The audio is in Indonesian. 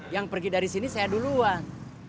yang pergi dari sini saya duluan